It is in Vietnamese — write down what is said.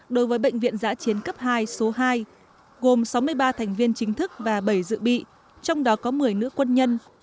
đối với bệnh viện giã chiến cấp hai số hai gồm sáu mươi ba thành viên chính thức và bảy dự bị trong đó có một mươi nữ quân nhân